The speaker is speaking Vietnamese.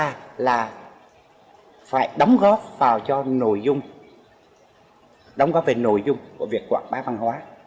thứ ba là phải đóng góp vào cho nội dung đóng góp về nội dung của việc quảng bá văn hóa